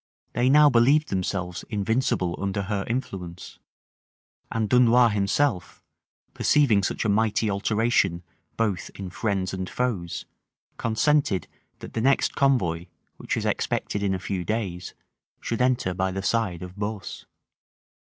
They now believed themselves invincible under her influence; and Dunois himself, perceiving such a mighty alteration both in friends and foes, consented, that the next convoy, which was expected in a few days, should enter by the side of Beausse.